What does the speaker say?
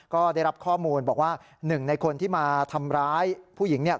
ก็ได้รับข้อมูลบอกว่าหนึ่งในคนที่มาทำร้ายผู้หญิงเนี่ย